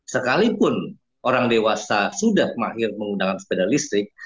sekalipun orang dewasa sudah pemahir menggunakan sepeda listrik